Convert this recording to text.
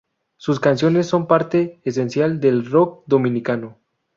Sus canciones son parte esencial del Rock Dominicano.